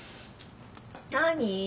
何？